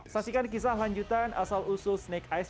saksikan kisah lanjutan asal usul snake ice